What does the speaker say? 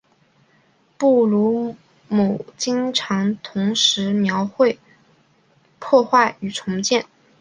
布鲁姆经常同时描绘毁坏与重建。